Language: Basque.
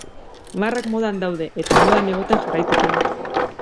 Marrak modan daude eta modan egoten jarraituko dute.